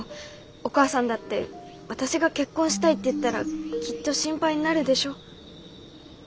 お母さんだって私が結婚したいって言ったらきっと心配になるでしょ？